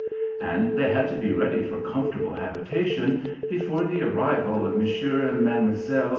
And they had to be ready for comfortable habitation before the arrival of M. and Mlle.